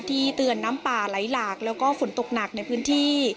เตือนน้ำป่าไหลหลากแล้วก็ฝนตกหนักในพื้นที่